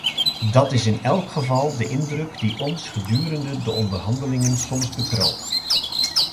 Dat is in elk geval de indruk die ons gedurende de onderhandelingen soms bekroop.